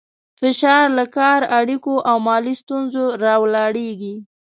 فشار له کار، اړیکو او مالي ستونزو راولاړېږي.